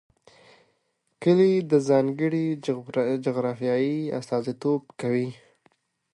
کلي د ځانګړې جغرافیې استازیتوب کوي.